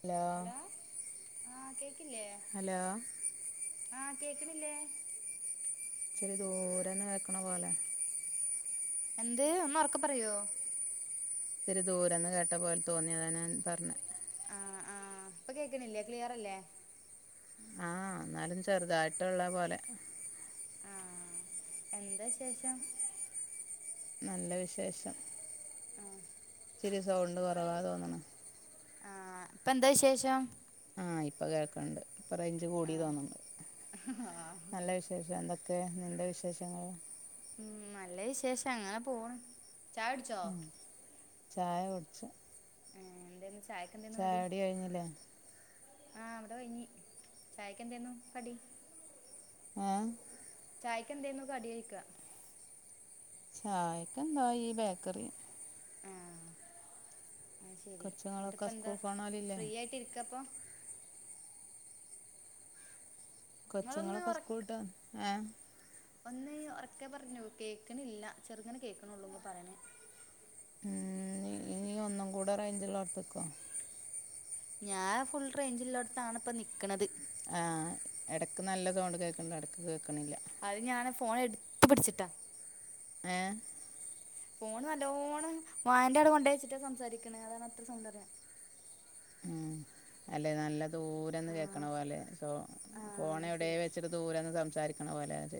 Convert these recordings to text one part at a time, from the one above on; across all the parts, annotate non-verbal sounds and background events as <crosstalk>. Hello ആഹ് കേക്കില്ലേ hello ഉ <inaudible> ആഹ് കേക്കണില്ലേ ഉ <inaudible> ഇച്ചിരി ദൂരന്ന് കേക്കണ് പോലെ. <inaudible> എന്ത് ഒന്ന് ഉറക്കെ പറയോ <inaudible> ഇത്തിരി ദൂരന്ന് കേട്ട പോലെ തോന്നി അതാണ് ഞാൻ പറഞ്ഞ. <inaudible> ആ ആ ഇപ്പൊ കേൾക്കണില്ലേ ക്ലിയർ അല്ലേ ആഹ് എന്നാലും ചെറുതായിട്ടുള്ള പോലെ ആഹ എന്താ വിശേഷം? <inaudible> നല്ല വിശേഷം ചരി സൗണ്ട് കുറവാ തോന്നണ ആഹ ഇപ്പൊ എന്താ വിശേഷം ആ ഇപ്പ കേൾക്കണ്ട്. ഇപ്പ റേഞ്ച് കൂടി തോന്നുന്നുണ്ട്. നല്ല വിശേഷം. പക്ഷെ എന്തൊക്കെ നി്ന്റെ വിശേഷങ്ങൾ. ഉം നല്ല വിശേഷം. അങ്ങനെ പോണ്. ചായുടിച്ചോ? ഉം ചായ കുടിച്ചു എന്തേന്നു ചായക്ക് ചായകുടി കഴിഞ്ഞില്ലേ ആഹ വിടെ കഴിഞ്ഞു ചായക്ക് എന്തായിരുന്നു കടി ആഹ് ചായയ്ക്ക് എന്തയ്ന്നു കടിചോയ്ക്ക. ചായക്കെ എന്താ ഈ ബേക്കറി. ആ അത് ശരി എന്നിട്ട് കൊച്ചുങ്ങളൊക്കെ ഇപ്പ എന്താ സ്കൂൾ പോണോലില്ലേ ഫ്രീ ആയിട്ട് ഇരിക്കപ്പ നിങ്ങളൊന്ന് കൊച്ചുങ്ങളൊക്കെ ഉറക്ക സ്കൂട്ടന്ന് ആഏ ഹ് ഒന്ന് ഒറക്കെ പറഞ്ഞു കേക്കിണില്ല ചെറുങ്ങനെ കേക്കണള്ളൂ ഇങ്ങൾ പറണേ. മ് ഇനി ഒന്നും കൂടെ റേയിഞ്ചള്ളോടത്ക്ക് വാ. ഞാൻ ഫുൾ റേഞ്ചിള്ളോട്ത്താണ് ഇപ്പ നിക്കണത് ആ ഇടക്ക് നല്ല സൗണ്ട് കേൾക്ക്‌ണ്ട് ഇടയ്ക്ക് കേക്കണില്ല അത് ഞാൻ ഫോൺ എടുത്ത് പിടിച്ചിട്ടാ ഏഹ് ഫോണ് നല്ലോണം വായന്റെടെ കൊണ്ടയ്‌ച്ചിട്ടാ സംസാരിക്കണ അതാണ് അത്ര സൗണ്ട് വന്ന് ഉ അല്ലെ നല്ല ദൂരന്ന് കേക്കണ ആ പോല്ലേ സോ ആ ഫോണ ശരി എവിടെയ വെ ഇച്ചിരി ദൂരന്ന് സംസാരിക്കണ പോലെത്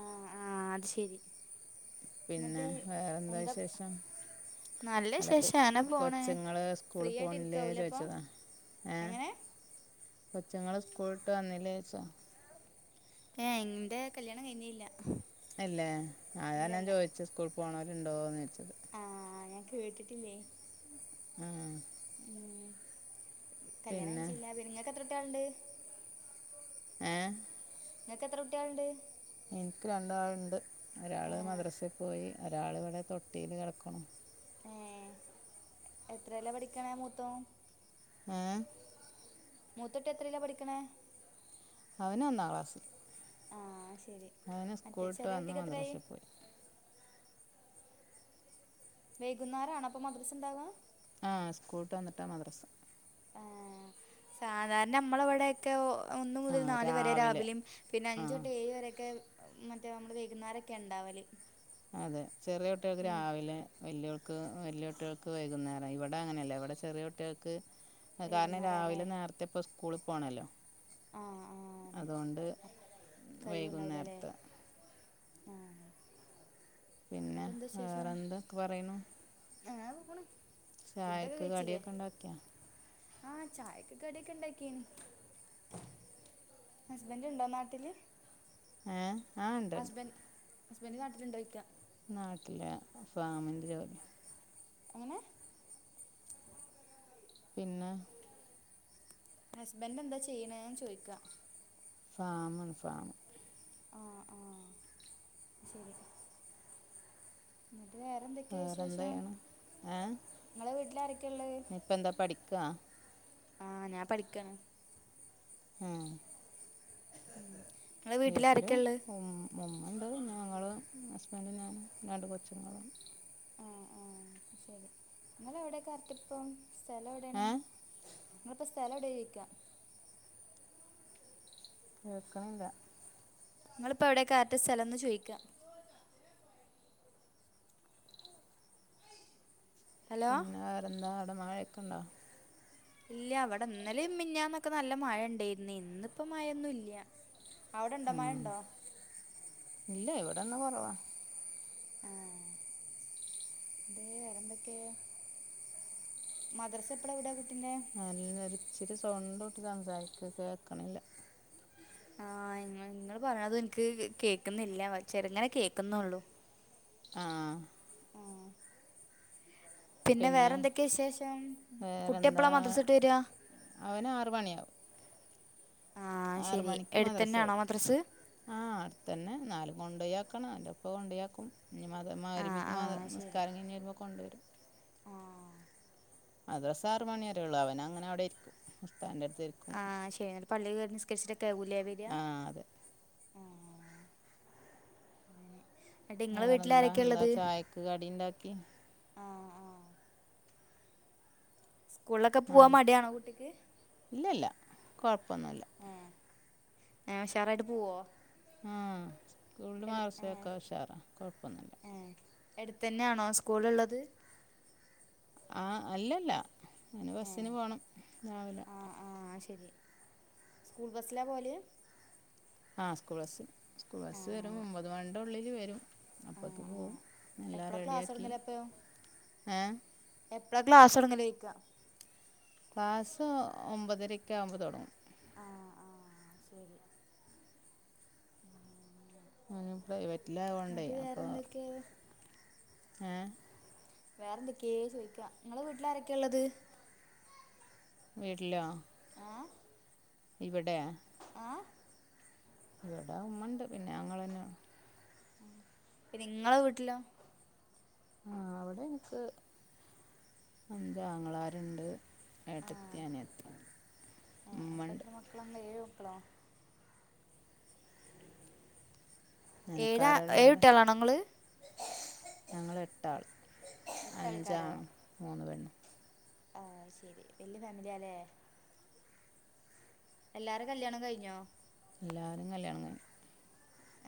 ആഹ ആഹ അത് ശെരി പിന്നെ വേറെ എന്താ വിശേഷം നല്ല അല്ല കൊ വിശേഷം അങ്ങനെ പോണ് കൊച്ചുങ്ങള് ഫ്രീ സ്കൂള് ആയിട്ട് പോണില്ലേ ഇരിക്കാവൂലേ അപ്പം ചോയ്ച്ചതാ ഏഹ എങ്ങനെ കൊച്ചുങ്ങള് സ്കൂളിട്ട് വന്നില്ലേ ചോയ്ച്ചതാ ഏ ഇന്റെ കല്യാണം കഴിഞ്ഞില്ല അല്ലേ അത ഇല്ല ഞാൻ ചോദിച്ചു സ്കൂള് പോണോരു ഉണ്ടോന്ന് ചോദിച്ചത് ആഹ ഞാൻ കേട്ടിട്ടില്ലേ ഉം കല്യാണണം പിന്നെ കഴിച്ചില്ല. പിന്ന ഇങ്ങക്ക് എത്ര കുട്ട്യാള് ഇണ്ട് ഏഹ് ഇങ്ങക്ക് എത്ര കുട്ട്യാളുണ്ട് ഇനിക്ക് രണ്ടാളുണ്ട്. ഒരാള് ഏഹ് മദ്രസൽ പോയി ഒരാൾ ഇവിടെ തൊട്ടിൽ കിടക്ക്ണു ഏ എത്രലേ പഠിക്കെണെ മൂത്തോൻ ഏഹ് മൂത്തട്ടി എത്രേലാ പഠിക്കണേ അവന് ഒന്നാം ക്ലാസ്സിൽ ആഹ ശരി അവന് മറ്റേ സ്കൂളിട്ട് ചെറ്യേ വന്ന് കുട്ടിക്ക് എത്രായി മദ്രസയിൽ പോയി വേകുന്നരാണോ അപ്പ മദ്രസ ണ്ടാവാ ആ സ്കൂള്ട്ട് വന്നിട്ടാണ് മദ്രസ ആ സാധാരണ നമ്മളവിടെ ക്കെ ഒന്നു ആ മുതൽ നാല് വരെ രാവിലെ രാവിലെയും പിന്നെ ആ അഞ്ച് തൊട്ട് ഏഴ് വരൊക്കെ മറ്റേ നമ്മള് വൈകുന്നേരൊക്കെ ഇണ്ടാവല് അതെ ചെറിയ കുട്ട്യള്ക്ക്‌ രാവിലെ വല്ലിയൾക്ക് വല്യേ കുട്ടിൾക്ക് വൈകുന്നേരം ഇവിടെ അങ്ങനല്ല ഇവിടെ ചെറിയ കുട്ടികൾക്ക് അ കാരണം വൈകുന്നേരം രാവിലെ നേരത്തെ ഇപ്പോ സ്കൂളിൽ പോകണല്ലോ ആഹ ആഹ അതോണ്ട് കൈയ്യ്ണ്ടാവൂ ല ലേ പിന്നെ എന്നിട്ട എന്താ വിശേഷം വേറെന്തൊക്കെ പറയണു അങ്ങനെ പോണ് ഫുഡൊക്കെ ചായക്ക് കഴിച്ചില്ലേ കടിയൊക്കെ ഉണ്ടാക്കിയോ ആഹ ചായൊക്കെ കടിയൊക്കെ ഇണ്ടാക്കിന്ന് ഹസ്ബന്റ് ഇണ്ടോ നാട്ടില് ഏഹ് ആ ഇൻ ഹസ്ബൻഡ് ഹസ്ബൻഡ് നാട്ടിലുണ്ടോ ചോയ്ക്കാ നാട്ടിലെ ഫാമിന്റെ ജോലി. എങ്ങനെ പിന്നെ ഹസ്ബൻഡ് എന്താ ചെയ്യണ്ന്ന് ചോയിക്കാ ഫാം ആണ് ഫാം ആഹാ ആഹാ ശരി ഇന്നിട്ട് വേറെ എന്തൊക്കെ വേറെന്താ വിശേഷം ചെയ്യണെ ഇങ്ങളെ വീട്ടില് ആരൊക്കെ ഉള്ളത് ഇപ്പ എന്താ പഠിക്കാ ആഹ് ഞാൻ പഠിക്കാണ് ആ ഉം നിങ്ങളെ വീട്ടിൽ വീട്ടില ആരൊക്കെയാ ഉള്ളത് ഉം ഉമ്മയുണ്ട് ഞങ്ങളും ഹസ്ബൻഡ് ഞാനും രണ്ട് കൊച്ചുങ്ങളും. ആഹ് ആഹ് ശരി ങ്ങൾ എവിടെ കറക്റ്റ് ഇപ്പം സ്ഥലം എവിടെയാണ് ഏ നിങ്ങളപ്പോ സ്ഥലടെ ചോയിക്കാം? കേക്കണില്ല നിങ്ങളിപ്പോ എവിടെ കറക്റ്റ് സ്ഥലംന്ന് ചോദിക്കാം? ഹലോ പിന്നെ വേറെന്താ അവടൊ മഴയൊക്കെ ഉണ്ടോ? ഇല്ല ഇവടെ ഇന്നലേ മിനിഞ്ഞന്നൊക്കെ നല്ല മഴ ഉണ്ടായിന്ന് ഇന്നിപ്പോ മഴന്നും ഇല്ല അവിടെ ഉണ്ടോ മഴ ഉണ്ടോ ഇല്ല ഇവിടിന്ന്‌ കുറവാ. <inaudible> എ വേറെന്തൊക്കെ മദ്രസ എപ്പള വിടാ കുട്ടീന്റെ നല്ല ഒരിച്ചിരി സൗണ്ട് കൂട്ടി സംസാരിക്ക് കേൾക്ക്ണില്ല. ആഹ് നിങ്ങള് നിങ്ങള് പറയണതു എനിക്ക് കേക്ക്ന്നില്ല ചെറുങ്ങനെ കേൾക്കുന്നുള്ളു ആഹ്. ആഹ് പിന്നെ വേറെന്തൊക്കെ വിശേഷം കുട്ടി വേറെന്താ എപ്പളാ മദ്രസ വിട്ട് വര അവന് ആറ് മണിയാവും. ആഹ് ആറ് ശരി മണിക്ക് മദ്രസ എടുത്തന്നെയാണോ വിടും മദ്രസ് ആ അടുത്ത് തന്നെ ന്നാലും കൊണ്ടു പോയിആക്കണം. ഓന്റെ ഉപ്പ കൊണ്ട് പോയിയാകും. ഇനി മത ആഹ് മഗ്‌രിബിന് മത ആഹ് ശരി നിസ്കാരം കഴിഞ്ഞ് വരുമ്പ കൊണ്ടരും ആഹ് മദ്രസ ആറ് മണിവരേ ഉള്ളൂ അവനങ്ങനെ അവിടെ ഇരിക്കും ഉസ്താദിന്റെ അടുത്ത് ഇരിക്കും ആഹ് ശരി ന്നിട്ട് പള്ളി കേറി നിസ്കരിച്ചിട്ട് ഒക്കെയാവൂല്ലേ വര. ആ അതെ <inaudible> വേറെന്താ എന്താ ചായക്ക് കടി ഇണ്ടാക്കി ആഹ് ആഹ് സ്കൂൾലൊക്കെ പോവാൻ മടിയാണോ കുട്ടിക്ക് ഇല്ല ഇല്ല കുഴപ്പമൊന്നുമില്ല. ആ ഉഷാറായിട്ട് പോവോ? ആ സ്കൂൾല് മർസൊക്കെ ഉശാറാ കുഴപ്പൊന്നുല്ല ആഹ് എട്ത്തന്നെണോ സ്കൂളുള്ളത് ആ അല്ലല്ല അവന് ബസ്സിന് ഏഹ് പോണം രാവിലെ ആഹ് ആഹ് ശരി സ്കൂൾ ബസ്സിലാ പോവല് ആ സ്കൂൾ ബസ് സ്കൂൾ ബസ്സ് വരും ആഹ് ഒൻമ്പത് മണിന്റുള്ളില് വരും ആഹ് അപ്പക്ക് പോവും ആഹ് എല്ലാം എപ്പളാ ക്ലാസ് റെഡിയാക്കി. തുടങ്ങല് അപ്പൊ ഏ എപ്പളാ ക്ലാസ് തുടങ്ങല് ചോയ്ക്ക ക്ലാസ്സ്‌ ഒൻമ്പതാരയൊക്കെ ആവുമ്പോ തുടങ്ങും. ആഹ് ആഹ് ശരി നാനും പ്രൈവറ്റില ആണ്ടേയ എന്നിട്ട് അപ്പ വേറെന്തൊക്കെ ആഹ് വേറെ എന്തൊക്കെയേ ചോദിക്കാ നിങ്ങളെ വീട്ടില് ആാരൊക്കെ ഉള്ളത്. വീട്ടിലോ? ആഹ് ഇവിടെ ആഹ് ഇവിടാ ഉമ്മണ്ട്. പിന്നെ ഞങ്ങള് അന്നെ. നിങ്ങളെ വീട്ടിലോ ആ അവിടെ എനിക്ക് അഞ്ചാങ്ങളര് ണ്ട്. ഏട്ടത്തി, ആഹ് അനിയത്തി, ഉമ്മണ്ട്. കളെന്താ എയ് മക്കളോ ഏഴാ ഏഴു കുട്ടികളാണോ നിങ്ങള്? ഞങ്ങള് എട്ടാള് എട്ടാൾക്കാരോ അഞ്ചാണ് മൂന്ന് പെണ്ണും ആഹ് ശരി വലിയ ഫാമിലിയല്ലേ? എല്ലാരും കല്യാണം കഴിഞ്ഞോ? എല്ലാരിം കല്യാണം കഴിഞ്ഞ്.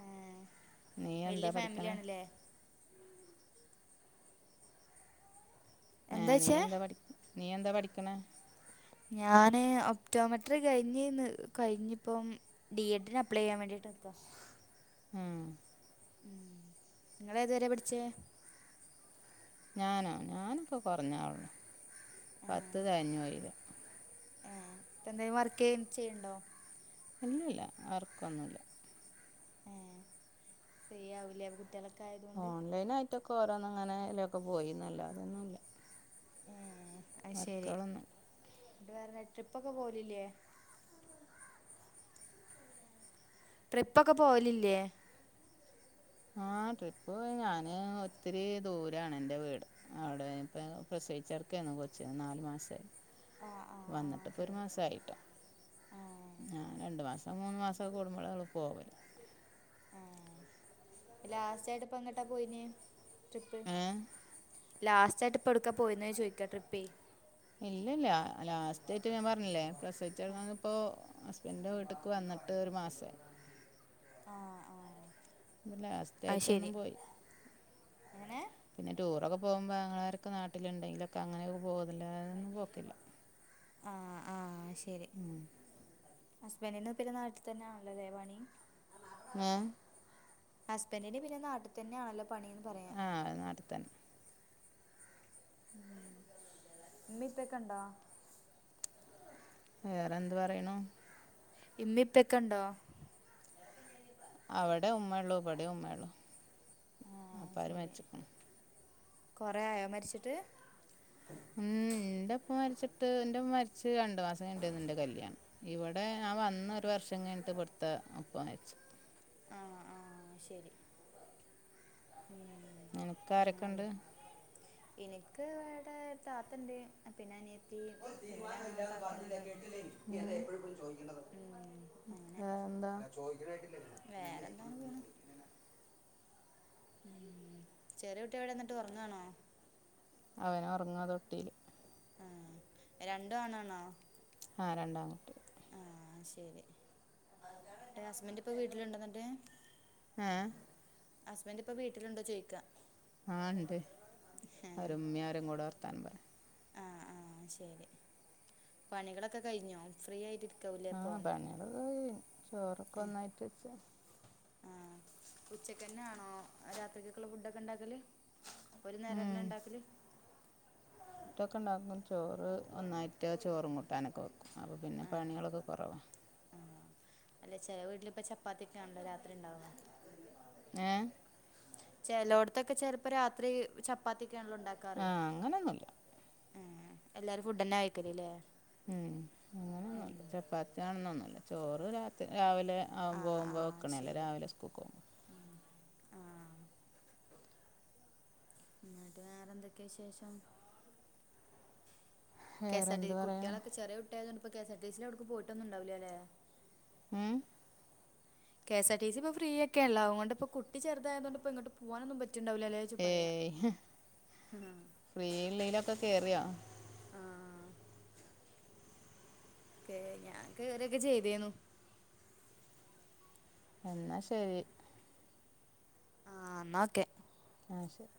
ഏഹ് നീ എന്താ വല്യ പഠിക്കണ്? ഫാമിലിയാണ്ല്ലേ ഏ. നീ എന്താച്ചേ എന്താ പഠി. നീ എന്താ പഠിക്കണെ? ഞാന് ഒപ്റ്റോമെറ്ററി കഴിഞ്ഞിന്ന്. കഴിഞ്ഞിപ്പം. ഡി എഡിന് അപ്ലൈ ചെയ്യാൻ വേണ്ടിട്ട് നിക്കാ. ഉം. ഉം. ങ്ങള് ഏതുവരെ പട്ച്ചേ? ഞാനോ ഞാനിപ്പോ കൊറഞ്ഞാള. പത്ത് കഴിഞ്ഞ് പോയില. ഏ. പ്പന്തേൽ വർക്ക് ചെയ് ചെയ്യ്ണ്ടോ? ഇല്ലല്ല. അർക്കൊന്നുല്ല. ഏ. ഫ്രീ ആവുലേ. അ <unintelligible> ട്ട്യോളക്കായതും ഓൺലൈന് ആയിട്ടൊക്കെ ഓരോന്ന അങ്ങനെ ലൊക്കെ പോയിന്നല്ലാതൊന്നുല്ല. അയ് ശെരി. വർക്കുകളൊന്നും ഇത് വരായി ട്രിപ്പ് ഒക്കെ പോലില്ലേ? ട്രിപ്പ് ഒക്കെ പോകലില്ലേ? ആ. ട്രിപ്പ് ഞാന് ഒത്തിരി ദൂരാണ് എൻ്റെ വീട്. അവിടെ ഇപ്പ പ്രസവിച്ചടക്കാണ്. കൊച്ചിന്‌ ന്നാല് മാസായി. ആഹ് ആഹ് ആഹ് വന്നിട്ട്പ്പൊ ഒരു ശരി മാസയിട്ടോ. ആഹ് ഞാൻ രണ്ട് മാസം മൂന്ന് മാസം ക്കെ കൂടുമ്പൊളൊള്ളു പോവല്. ഏ. ലാസ്റ്റ് ആയിട്ട് ഇപ്പ എങ്ങട്ടാ പോയിന്യേ? ട്രിപ്പ്. ഏ ലാസ്റ്റ് ആയിട്ട് ഇപ്പ എടുക്കാ പോയിന്ന്യേ ചോദിക്കാ ട്രിപ്പേ? ഇല്ലല്ല. ലാസ്റ്റ് ആയിട്ട് ഞാൻ പറഞ്ഞില്ലേ ആഹ് പ്രസവിച്ചടന്നപ്പോ <unintelligible> എൻ്റെ വീട്ട്ക്ക് വന്നിട്ട് ഒരു മാസായി. ആഹ് ആഹ് <unintelligible> ലാസ്റ്റ് അത് ആയിട്ടൊന്നും ശരി പോയി. എങ്ങനെ പിന്നെ ടൂറൊക്കെ പോകുമ്പോ ആങ്ങളാരൊക്കെ നട്ടിലുണ്ടെങ്കിലൊക്കെ അങ്ങനെയൊക്കെ പോക <unintelligible> പോക്കില്ല. ആഹ് ആഹ് ശരി. ഹസ്ബൻഡന് പിന്നെ നാട്ടിൽ തന്നേണല്ലോലേ പണി. <unintelligible> ഹസ്ബന്റിന് പിന്നെ നാട്ടിൽ തന്നാണല്ലോ ലേ പണി ന്ന് പറിയ. ആ നാട്ടി തന്നെ. ഉം. ഇമ്മിം ഇപ്പിം ക്കെ ണ്ടോ? വേറെന്ത് പറയ്ണു. ഇമ്മിം ഇപ്പിം ക്കണ്ടോ? അവിടെ ഉമ്മയള്ളൂ. ഇവിടെം ഉമ്മയുള്ളൂ. ഏ വാപ്പാര് ശരി. മരിച്ചിക്കണു കൊറേ ആയോ മരിച്ചിട്ട്. ഉം. ന്റെ പ്പ മരിച്ചിട്ട് ന്റെ പ്പ മരിച്ച് രണ്ടു മാസം, കയിഞ്ഞിട്ടേന്നു ന്റെ കല്യാണം. ഇവിടെ ഞാൻ വന്നൊരു വർഷം കഴിഞ്ഞിട്ട് ഇവട്ത്ത ഉപ്പ മരിച്ചു. ആ ആ ശരി. ഉം... എനക്ക് ആരൊക്കെ അങ്ങനെല്ലേ ഉണ്ട്? എനിക്ക് വിടെ താത്തണ്ട്. പിന്നെ അനിയ <unintelligible> ഒരു തീരുമാനം ങ്ങള് ഇല്ലാന്ന് പറഞ്ഞില്ലേ കേട്ടില്ലേങ്കി <unintelligible> എപ്പോഴപ്പോഴും ചോദിക്കേണ്ടത്? ഉം അങ്ങനെ ആഹ്. ന്താ? <inaudible> വേറെന്താണ്. പോണ്. ഉം. ചെറിയ കുട്ടി എവിടെ എന്നിട്ട് ഉറങ്ങാണോ? അവന് ഒറങ്ങാ തൊട്ടില്. ഉം. രണ്ടു ആണാണോ? ആ. രണ്ടാങ്കുട്ടിയള്. ആ. ശരി. <unintelligible> ഹസ്ബൻഡ് ഇപ്പൊ വീട്ടിലുണ്ടോന്നട്ട്? ഏ ഹസ്ബന്റ് ഇപ്പൊ വീട്ടിലുണ്ടോ ചോയിക്കാ? ആഹ് ണ്ട് അവരും ഉമ്മ്യഅവരും കൂടെ വർത്താനം പറയാ ആഹ് ആഹ് ശെരി. പണികളൊക്കെ കഴിഞ്ഞോ? ഫ്രീ. ആയിട്ടിരിക്കാവു ആഹ് പണികളൊക്കെ കഴിഞ്ഞ്. ചോറൊക്കെ ഒന്നായിട്ട് വെച്ച് ആഹ് ഉച്ചക്കന്നെ ആണോ രാത്രിക്കൊള്ള ഫുഡൊക്കെണ്ടാക്കല് ഉം ട്ടൊക്കെണ്ടാക്കും ചോറ് ഒന്നായിട്ട് ചോറും കുട്ടാനൊക്കെവെക്കും. അപ്പ പിന്നെ ആഹ് പണികളൊക്കെ കൊറവാ അല്ലെ ചെല വീട്ടിലിപ്പ ചപ്പാത്തിയ ഒക്കെ ആണല്ലോ രാത്രി ഉണ്ടാവ ഏ ചേലോടത്തൊക്കെ ചെലപ്പം രാത്രി ചപ്പാത്തിക്കെയാണല്ലോ ഉണ്ടാക്കാറ് ആ അങ്ങനൊന്നുമില്ല എല്ലാരും ഫുഡ് തന്നെ കയിക്കല് ലേ? ഉം അങ്ങനെന്നുല്ല ചപ്പാത്തിവാണന്നൊന്നുല്ല ചോറ് രാത്രി രാവിലെ അവൻ ആഹ് പോവുമ്പോ ആഹ് വെക്കണല്ലേ ശരി രാവിലെ സ്കൂൾക്ക് ആഹ് എന്നിട്ട് വേറെ എന്തൊക്കെയ വിശേഷം? കെ എസ് ആർ വേറെന്ത് ടിസി പറയണം കുട്ടികളൊക്കെ ചെറിയ കുട്ടിയായോണ്ട്. ഇപ്പ കെസ് ആർ ടി സിൽ എവിടക്കും പോയിട്ടൊന്ന ഉണ്ടാവില്ല അല്ലേ എ കെസ് ആർ ടി സി ഇപ്പ ഫ്രീ ഒക്കെ അല്ലെ അയ്കൊണ്ട് ഇപ്പ കുട്ടി ചെറുതുകൊണ്ട് ഇപ്പ എങ്ങട്ടും പോവാനും പറ്റുണ്ടാവില്ല അല്ലെ ഏയ് ഫ്രീള്ളയിലൊക്കെ കേറിയോ ആഹ് കോ ഞാൻ കേറിയൊക്കെ ചെയ്തേന്നു എന്നാ ശെരി. ആഹ് ന്നാ ഓക്കെ. ആ ശെരി